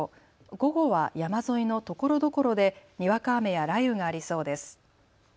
午後は山沿いのところどころでにわか雨や雷雨がありそうです。